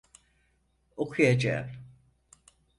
Okuyacağım.